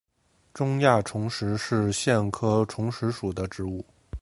中亚虫实是苋科虫实属的植物。